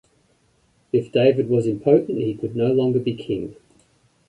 If David was impotent he could no longer be king.